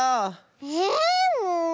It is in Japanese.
えっもう。